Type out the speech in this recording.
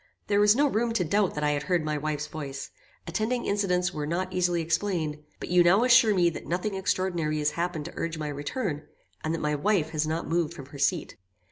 There was no room to doubt that I had heard my wife's voice; attending incidents were not easily explained; but you now assure me that nothing extraordinary has happened to urge my return, and that my wife has not moved from her seat."